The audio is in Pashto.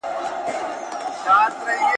هر څوک د نظر څرګندولو حق لري.